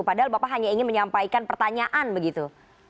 padahal bapak hanya ingin menyampaikan pertanyaan begitu